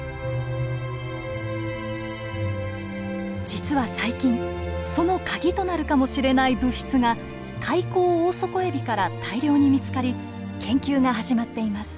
実は最近その鍵となるかもしれない物質がカイコウオオソコエビから大量に見つかり研究が始まっています。